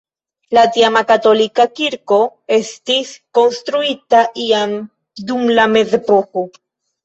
La tiama katolika kirko estis konstruita iam dum la mezepoko.